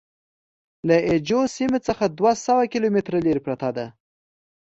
له اي جو سیمې څخه دوه سوه کیلومتره لرې پرته ده.